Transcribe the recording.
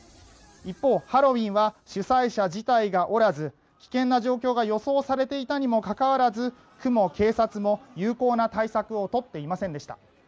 一方、ハロウィーンは主催者自体がおらず危険な状況が予想されていたにもかかわらず区も警察も有効な対策をとっていませんでした。